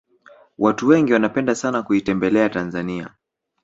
watu wengi wanapenda sana kuitembelea tanzania